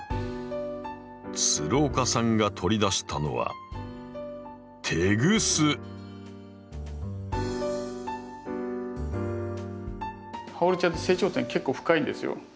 岡さんが取り出したのはハオルチアって成長点結構深いんですよ。